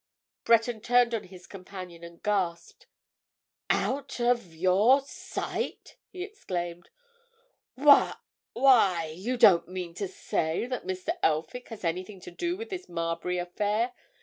Breton turned on his companion and gasped. "Out—of—your—sight!" he exclaimed. "Why—why—you don't mean to say that Mr. Elphick has anything to do with this Marbury affair?